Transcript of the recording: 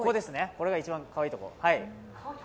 ここが一番かわいいところ。